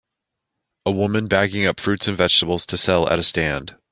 a woman bagging up fruits and vegetables to sell at a stand